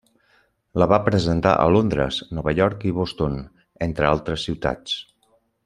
La va presentar a Londres, Nova York i Boston, entre altres ciutats.